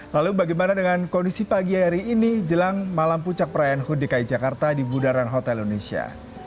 lalu bagaimana dengan kondisi pagi hari ini jelang malam puncak perayaan hud dki jakarta di bundaran hotel indonesia